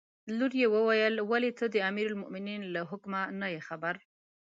لور یې وویل: ولې ته د امیرالمؤمنین له حکمه نه یې خبره.